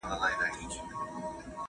خلګ د معلوماتو د ترلاسه کولو حق لري.